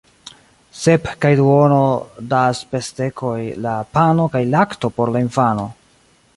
Sep kaj duono da spesdekoj la pano kaj lakto por la infano!